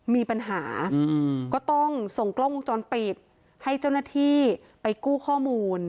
มีปัญหาก็ต้องส่งกล้องวงจรปิดให้เจ้าหน้าที่ไปกู้ข้อมูล